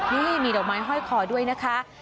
นี่มีดอกไม้ห้อยคอด้วยนะคะ